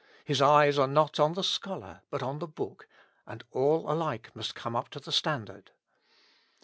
His eyes are not on the scholar, but on the book, and all alike must come up to the standard.